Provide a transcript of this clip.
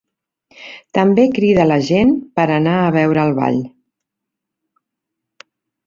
També crida la gent per anar a veure el ball.